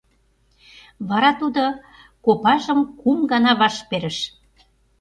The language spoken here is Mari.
Вара тудо копажым кум гана ваш перыш.